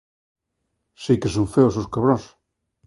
Si que son feos os cabróns.